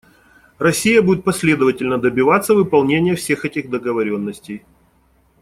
Россия будет последовательно добиваться выполнения всех этих договоренностей.